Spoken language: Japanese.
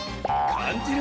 かんじるぞ！